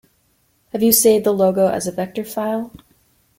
Have you saved the logo as a vector file?